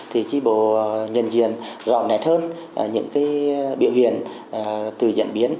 thì tri bộ nhận diện rõ ràng hơn những cái biểu hiện từ diễn biến